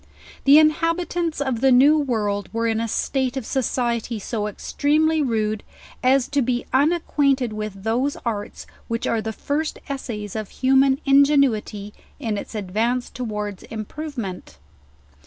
The inhabitants of the new world were in a state of society so extremely rude, as to be unacquainted with those arts which are tiie first essays of human ingenuity in its ad vance towards improvement.